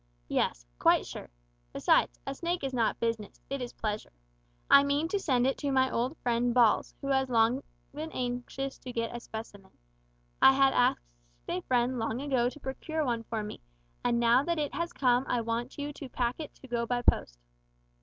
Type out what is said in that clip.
"Yes, quite sure. Besides, a snake is not business it is pleasure. I mean to send it to my old friend Balls, who has been long anxious to get a specimen. I had asked a friend long ago to procure one for me, and now that it has come I want you to pack it to go by post."